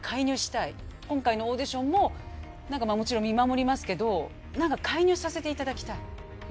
今回のオーディションもなんかもちろん見守りますけどなんか介入させていただきたい。